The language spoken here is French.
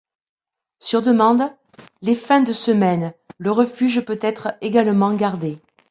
Sur demande, les fins de semaines, le refuge peut être également gardé.